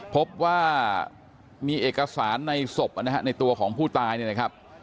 พบว่ามีเอกสารในศพนะฮะในตัวของผู้ตายเนี่ยนะครับ